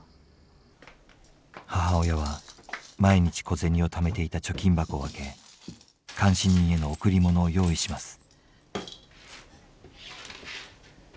母親は毎日小銭をためていた貯金箱を開け監視人への贈り物を用意します。